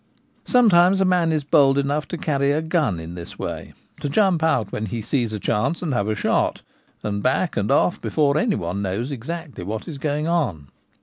Sometimes a man is bold enough to carry a gun in this way — to jump out when he sees a chance and have a shot, and back and off before any one knows exactly what is going on.